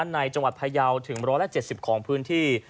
ในจังหวัดพยาวถึง๑๗๐ของพื้นที่